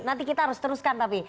nanti kita harus teruskan tapi